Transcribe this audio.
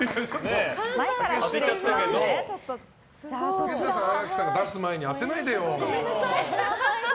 竹下さんと荒木さんが出す前に当てないでよ。